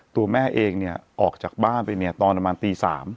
ตัวแม่เองออกจากบ้านไปเนี่ยตอนประมาณตี๓